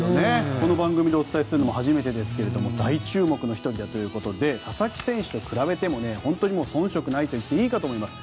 この番組でお伝えするのも初めてですけども大注目の１人ということで佐々木選手と比べても本当にそん色ないといっていいかと思います。